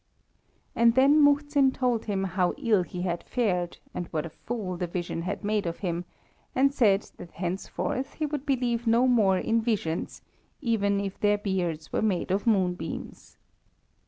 And then Muhzin told him how ill he had fared, and what a fool the vision had made of him, and said that henceforth, he would believe no more in visions, even if their beards were made of moonbeams.